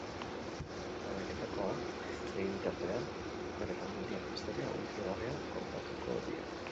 Hamaiketakoa egin bitartean, bere familiaren historia hunkigarria kontatuko dio.